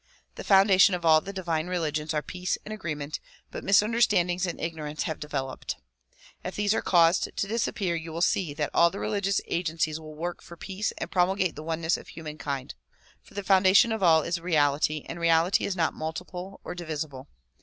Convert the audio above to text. The foundations of all the divine religions are peace and agree ment, but misunderstandings and ignorance have developed. If these are caused to disappear you will see that all the religious agencies will work for peace and promulgate the oneness of human kind. For the foundation of all is reality and reality is not mul tiple or divisible.